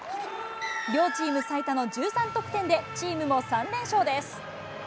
両チーム最多の１３得点で、チームも３連勝です。